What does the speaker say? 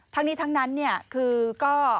ทั้งนี้ทั้งนั้นเนี่ยคือก็